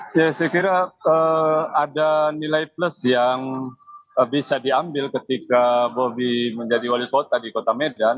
saya kira ada nilai plus yang bisa diambil ketika bobi menjadi wali kota di kota medan